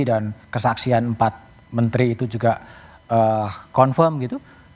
dan kesaksian empat menteri itu juga confirm gitu